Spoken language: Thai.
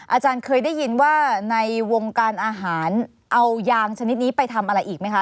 อาจารย์เคยได้ยินว่าในวงการอาหารเอายางชนิดนี้ไปทำอะไรอีกไหมคะ